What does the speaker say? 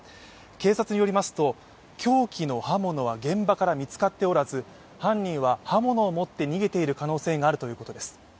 警察によると凶器の刃物は現場から見つかっておらず犯人は刃物を持って逃げている可能性があるということです。